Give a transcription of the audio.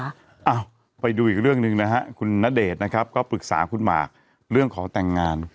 เอ้าไปดูอีกเรื่องหนึ่งนะฮะคุณณเดชน์นะครับก็ปรึกษาคุณหมากเรื่องขอแต่งงาน